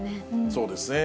そうですね。